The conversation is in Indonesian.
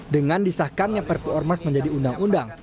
dengan disahkannya perpu ormas menjadi undang undang